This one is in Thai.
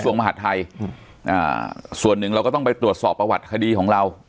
ส่วนมหาดไทยส่วนหนึ่งเราก็ต้องไปตรวจสอบประวัติคดีของเรา